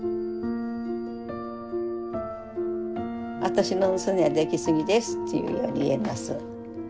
私の娘はできすぎですっていうように言えます。